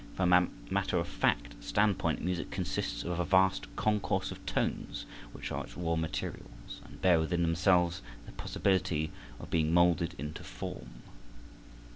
From a matter of fact standpoint music consists of a vast concourse of tones which are its raw materials and bear within themselves the possibility of being moulded into form.